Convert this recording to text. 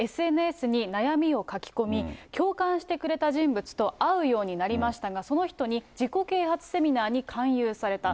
ＳＮＳに悩みを書き込み、共感してくれた人物と会うようになりましたが、その人に自己啓発セミナーに勧誘された。